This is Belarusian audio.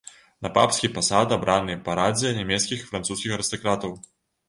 На папскі пасад абраны па радзе нямецкіх і французскіх арыстакратаў.